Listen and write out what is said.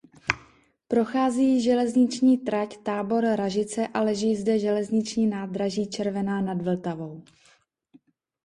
Prochází jí železniční trať Tábor–Ražice a leží zde železniční nádraží Červená nad Vltavou.